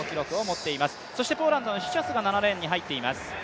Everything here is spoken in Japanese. そしてポーランドのシチャスが入っています。